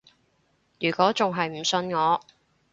如果仲係唔信我